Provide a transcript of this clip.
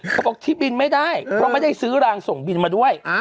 เขาบอกที่บินไม่ได้เพราะไม่ได้ซื้อรางส่งบินมาด้วย